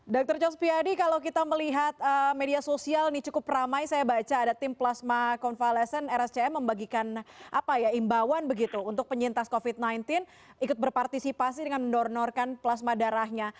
dr cospiadi kalau kita melihat media sosial ini cukup ramai saya baca ada tim plasma konvalesen rscm membagikan imbauan begitu untuk penyintas covid sembilan belas ikut berpartisipasi dengan mendonorkan plasma darahnya